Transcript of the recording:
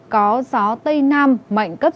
có gió tây nam mạnh cấp sáu